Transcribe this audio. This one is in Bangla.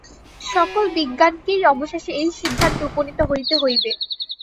সকল বিজ্ঞানকেই অবশেষে এই সিদ্ধান্তে উপনীত হইতে হইবে।